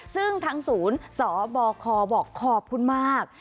ซึ่งทางศูนย์สบคบอกขอบคุณมาก